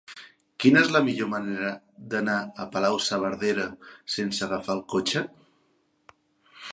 Quina és la millor manera d'anar a Palau-saverdera sense agafar el cotxe?